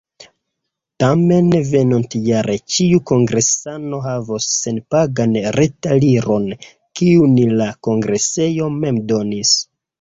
Tamen venontjare ĉiu kongresano havos senpagan retaliron, kiun la kongresejo mem donis.